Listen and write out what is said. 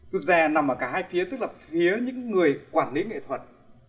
rụt rè nằm ở cả hai phía tức là phía những người quản lý nghệ thuật